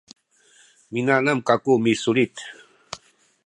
minanam kaku misulit